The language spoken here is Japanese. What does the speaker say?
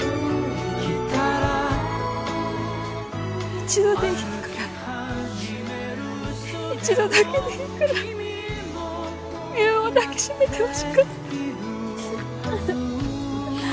一度でいいから一度だけでいいから優を抱きしめてほしかった。